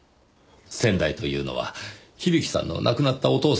先代というのは響さんの亡くなったお父様ですね？